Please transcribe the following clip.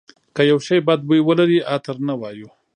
که یو شی بد بوی ولري عطر نه وایو.